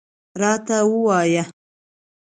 راته ووایه.